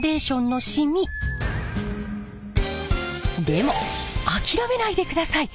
でも諦めないでください。